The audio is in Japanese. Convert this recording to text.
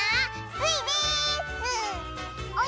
スイです！